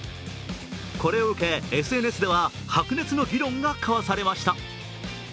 これを受けＳＮＳでは白熱の議論がかわされました。